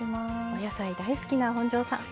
お野菜大好きな本上さん。